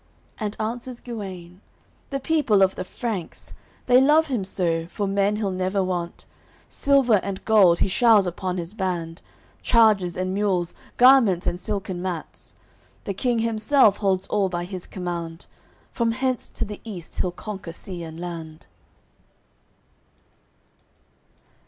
And answers Guene: "The people of the Franks; They love him so, for men he'll never want. Silver and gold he show'rs upon his band, Chargers and mules, garments and silken mats. The King himself holds all by his command; From hence to the East he'll conquer sea and land."